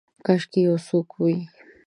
کاشکي یو څوک وی